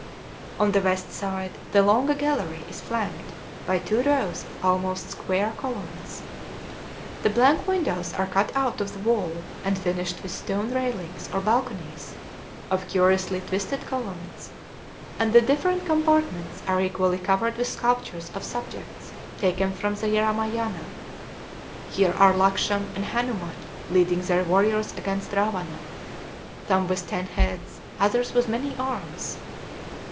On the west side, the long gallery is flanked by two rows of almost square columns. The blank windows are cut out of the wall, and finished with stone railings or balconies of curiously twisted columns; and the different compartments are equally covered with sculptures of subjects taken from the Ramayâna. Here are Lakshman and Hanuman leading their warriors against Rawana, some with ten heads, others with many arms.